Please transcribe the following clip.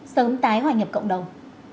sớm tái hòa nhập cộng đồng